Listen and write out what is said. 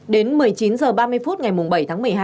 đến một mươi chín h ba mươi phút ngày bảy tháng một mươi hai